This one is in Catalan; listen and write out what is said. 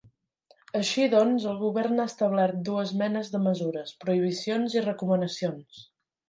Així doncs, el govern ha establert dues menes de mesures: prohibicions i recomanacions.